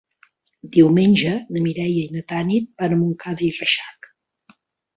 Diumenge na Mireia i na Tanit van a Montcada i Reixac.